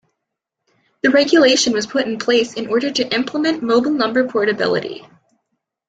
The regulation was put in place in order to implement mobile number portability.